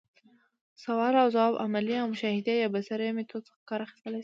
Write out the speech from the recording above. سوال اوځواب، عملي او مشاهدي يا بصري ميتود څخه کار اخستلاي سي.